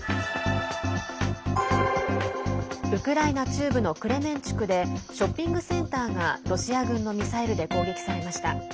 ウクライナ中部のクレメンチュクでショッピングセンターがロシア軍のミサイルで攻撃されました。